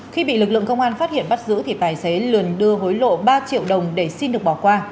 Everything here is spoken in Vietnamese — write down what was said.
khi bị lực lượng công an phát hiện bắt giữ thì tài xế liền đưa hối lộ ba triệu đồng để xin được bỏ qua